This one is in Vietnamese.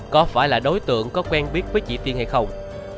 có phải là đối tượng có quen biết với chị tiên hay không